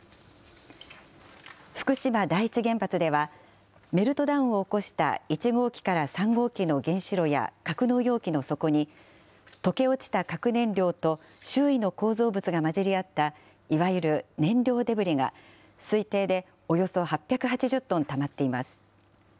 福島第一原発では、メルトダウンを起こした１号機から３号機の原子炉や格納容器の底に、溶け落ちた核燃料と周囲の構造物が混じり合ったいわゆる燃料デブリが、推定でおよそ８８０トンたまっています。